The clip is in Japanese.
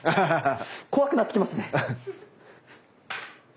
怖くなってきますね。